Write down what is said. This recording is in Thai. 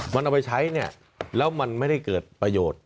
มันเอาไปใช้เนี่ยแล้วมันไม่ได้เกิดประโยชน์